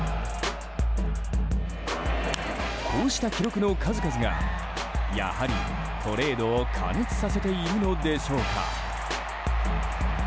こうした記録の数々がやはり、トレードを過熱させているのでしょうか。